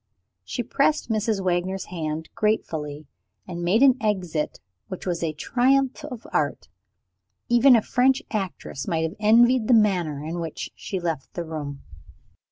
She pressed Mrs. Wagner's hand gratefully and made an exit which was a triumph of art. Even a French actress might have envied the manner in which she left the room.